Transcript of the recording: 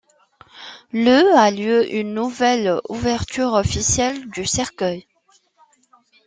Le a lieu une nouvelle ouverture officielle du cercueil.